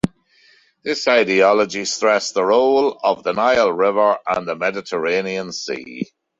This ideology stressed the role of the Nile River and the Mediterranean Sea.